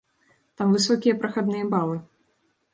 Там высокія прахадныя балы.